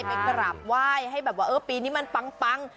ไปกราบไหว้ให้แบบว่าเออปีนี้มันปัง